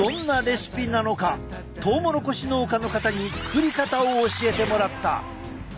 トウモロコシ農家の方に作り方を教えてもらった。